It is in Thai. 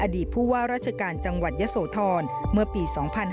ผู้ว่าราชการจังหวัดยะโสธรเมื่อปี๒๕๕๙